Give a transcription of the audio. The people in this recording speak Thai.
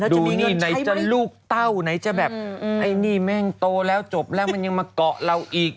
ดูนี่ไหนจะลูกเต้าไหนจะแบบไอ้นี่แม่งโตแล้วจบแล้วมันยังมาเกาะเราอีก